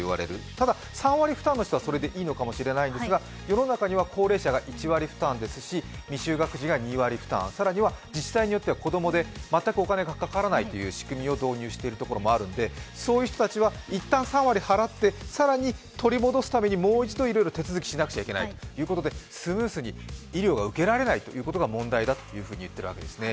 ただ、３割負担の人はそれでいいのかもしれませんが世の中には高齢者が２割負担ですし未就学児が２割負担、更には自体によっては子供で全くお金がかからないという仕組みを導入しているところもあるのでそういう人たちは一旦３割を払って、取り戻すためにまた手続きをしないといけないということで、スムースに医療が受けられないということが問題だといっているわけですね。